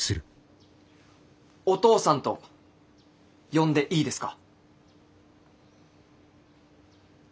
おとうさんと呼んでいいですか？